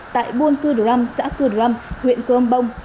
tại buôn cư ram xã cư ram huyện crong bông